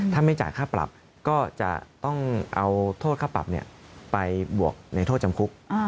ถ้าไม่จ่ายค่าปรับก็จะต้องเอาโทษค่าปรับไปบวกในโทษจำคุก